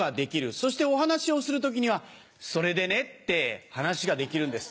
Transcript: そしてお話をする時には「それでね」って話ができるんです。